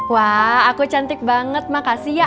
wah aku cantik banget makasih ya